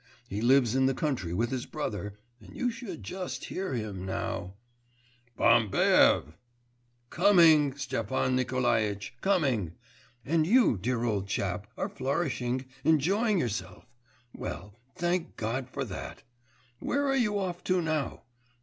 He lives in the country with his brother, and you should just hear him now....' 'Bambaev!' 'Coming, Stepan Nikolaitch, coming. And you, dear old chap, are flourishing, enjoying yourself! Well, thank God for that! Where are you off to now?...